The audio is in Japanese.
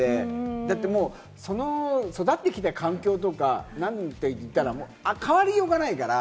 だってもう育ってきた環境とか、変わりようがないから。